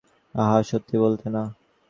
আহ, সত্যি বলতে, না।